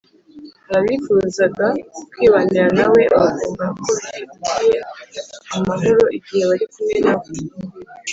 Hari abifuzaga kwibanira na We, bakumva ko bifitiye amahoro igihe bari kumwe na We